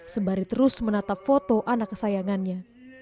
sembari terus menatap foto anak kesayangannya